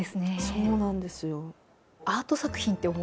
そうなんです。